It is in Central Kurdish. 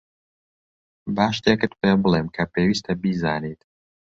با شتێکت پێبڵێم کە پێویستە بیزانیت.